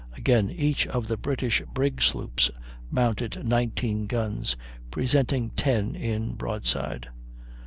Again, each of the British brig sloops mounted 19 guns, presenting 10 in broadside.